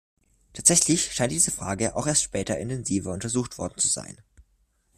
Tatsächlich scheint diese Frage auch erst später intensiver untersucht worden zu sein.